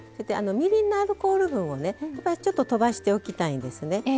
みりんのアルコール分をちょっととばしておきたいんですね。